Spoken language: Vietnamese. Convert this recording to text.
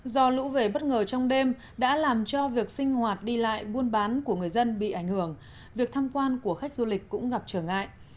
do lũ về bất ngờ trong đêm đã làm cho việc sinh hoạt đi lại buôn bán của người dân bị ảnh hưởng việc tham quan của khách du lịch cũng gặp trở ngại